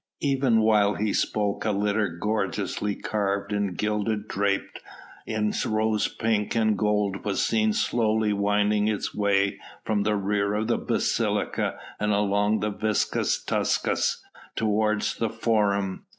Even whilst he spoke a litter gorgeously carved and gilded, draped in rose pink and gold, was seen slowly winding its way from the rear of the basilica and along the Vicus Tuscus, towards the Forum.